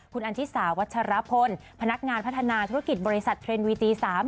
คุณอันธิสาวัชรพลพนักงานพัฒนาธุรกิจบริษัทเทรนด์วีตี๓